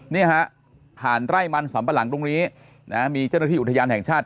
นี่ฮะผ่านไร่มันสำปะหลังตรงนี้นะมีเจ้าหน้าที่อุทยานแห่งชาติ